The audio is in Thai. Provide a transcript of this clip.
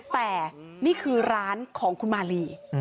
แต่นี่คือร้านของคุณมาลี